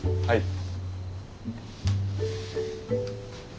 はい。